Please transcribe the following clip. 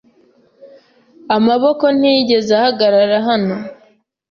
Amaboko ntiyigeze ahagarara hano